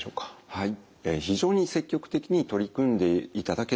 はい。